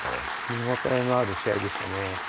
見ごたえのある試合でしたね。